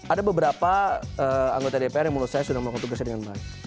ada beberapa anggota dpr yang menurut saya sudah melakukan tugasnya dengan baik